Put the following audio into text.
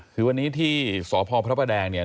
คือวันนี้ที่สพแดงเนี่ย